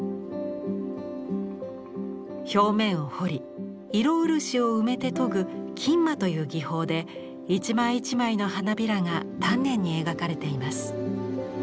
表面を彫り色漆を埋めて研ぐ「蒟醤」という技法で一枚一枚の花びらが丹念に描かれています。